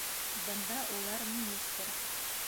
Бында улар министр.